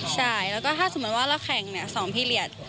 ใช่แล้วก็ถ้าสมมุติว่าเราแข่ง๒พีเรียส